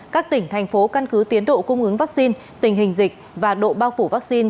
các tỉnh thành phố căn cứ tiến độ cung ứng vaccine tình hình dịch và độ bao phủ vaccine